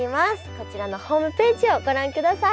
こちらのホームページをご覧ください。